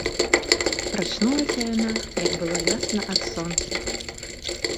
Прачнулася яна, як было ясна ад сонца.